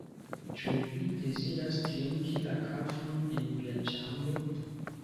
Ĉu vi deziras trinki la kafon en via ĉambro?